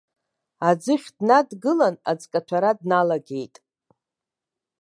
Аӡыхь днадгылан, аӡкаҭәара дналагеит.